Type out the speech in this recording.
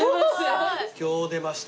今日出ました。